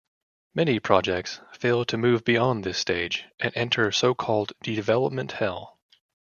Many projects fail to move beyond this stage and enter so-called development hell.